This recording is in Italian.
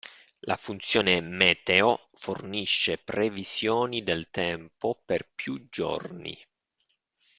La funzione Meteo fornisce previsioni del tempo per più giorni.